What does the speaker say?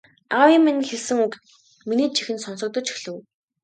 Аавын маань хэлсэн үг миний чихэнд сонсогдож эхлэв.